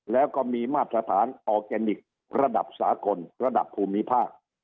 แล้วก็มีมาตรฐานออร์แกนิคระดับสากลระดับภูมิภาค